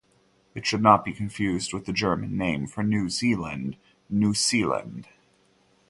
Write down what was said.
It should not be confused with the German name for New Zealand, "Neuseeland".